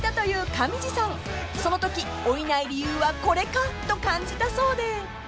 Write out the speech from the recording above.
［そのとき老いない理由はこれかと感じたそうで］